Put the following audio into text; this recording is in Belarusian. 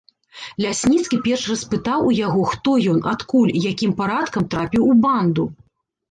Лясніцкі перш распытаў у яго, хто ён, адкуль, якім парадкам трапіў у банду.